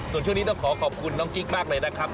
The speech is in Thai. ส่วนช่วงนี้ต้องขอขอบคุณน้องกิ๊กมากเลยนะครับ